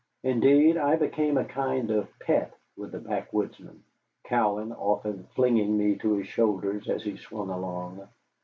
Indeed, I became a kind of pet with the backwoodsmen, Cowan often flinging me to his shoulder as he swung along.